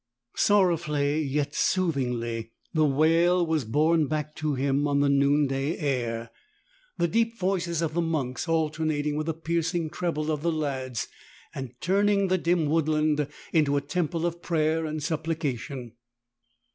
Sorrowfully yet sooth ingly the wail was borne back to him on the noonday air, i8 the deep voices of the monks alternating with the piercing treble of the lads, and turning the dim woodland into a temple of prayer and supplication.